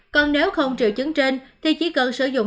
còn nếu không triệu chứng trên thì chỉ cần sử dụng